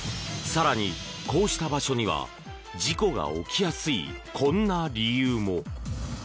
更に、こうした場所には事故が起きやすいこんな理由も。